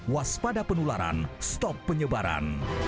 waspada penularan stop penyebaran